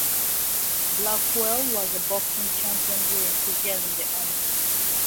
Blackwell was a boxing champion during his years in the Army.